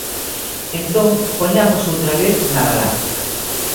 Entón, poñamos outra vez na balanza.